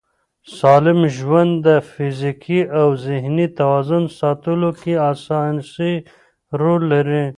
سالم ژوند د فزیکي او ذهني توازن ساتلو کې اساسي رول لري.